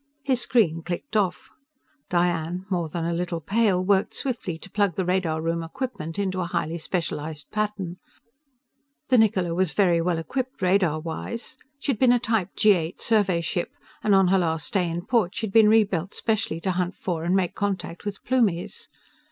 _" His screen clicked off. Diane, more than a little pale, worked swiftly to plug the radar room equipment into a highly specialized pattern. The Niccola was very well equipped, radar wise. She'd been a type G8 Survey ship, and on her last stay in port she'd been rebuilt especially to hunt for and make contact with Plumies.